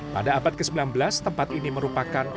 pada abad ke sembilan belas tempat ini merupakan